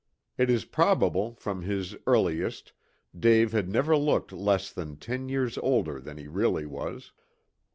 It is probable, from his earliest, Dave had never looked less than ten years older than he really was.